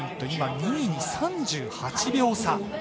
今、２位に３８秒差。